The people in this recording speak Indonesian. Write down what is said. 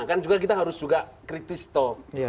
kan juga kita harus juga kritis top